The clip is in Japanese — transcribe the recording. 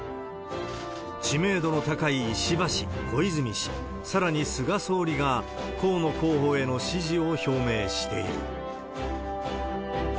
知名度の高い石破氏、小泉氏、さらに菅総理が河野候補への支持を表明している。